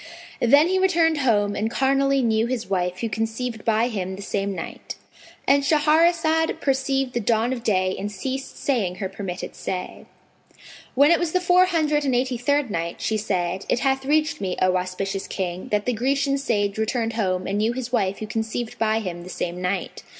Then he returned home and carnally knew his wife who conceived by him the same night.—And Shahrazad perceived the dawn of day and ceased saying her permitted say. When it was the Four Hundred and Eighty third Night, She said, It hath reached me, O auspicious King, that the Grecian sage returned home and knew his wife who conceived by him the same night.